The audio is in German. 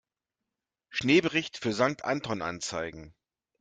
Schneebericht für Sankt Anton anzeigen.